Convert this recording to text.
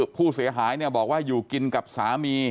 ผู้เสียหายบอกว่าอยู่กินกับสามี